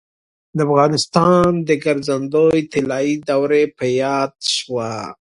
د افغانستان د ګرځندوی طلایي دوره په یاد شوه.